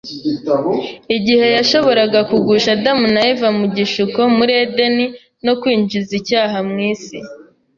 Igihe yashoboraga kugusha Adamu na Eva mu gishuko muri Edeni no kwinjiza icyaha mu isi